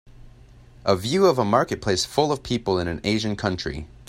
A view of a marketplace full of people in an asian country.